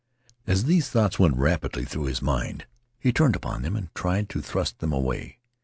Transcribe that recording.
As these thoughts went rapidly through his mind, he turned upon them and tried to thrust them away.